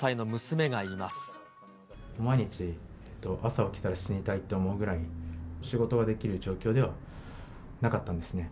毎日、朝起きたら死にたいと思うぐらい、仕事ができる状況ではなかったんですね。